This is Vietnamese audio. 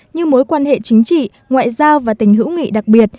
như mối quan hệ chính trị ngoại giao và tình hữu nghị đặc biệt